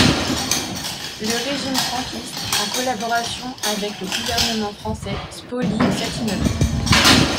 Le régime franquiste, en collaboration avec le gouvernement français spolie cet immeuble.